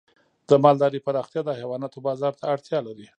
د مالدارۍ پراختیا د حیواناتو بازار ته اړتیا لري.